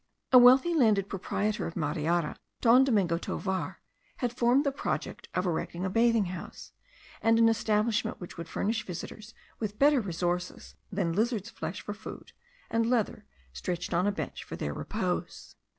A wealthy landed proprietor of Mariara, Don Domingo Tovar, had formed the project of erecting a bathing house, and an establishment which would furnish visitors with better resources than lizard's flesh for food, and leather stretched on a bench for their repose.